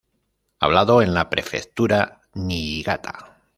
Hablado en la prefectura Niigata.